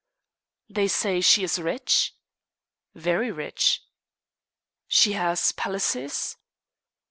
"They say she is rich?" "Very rich." "She has palaces?"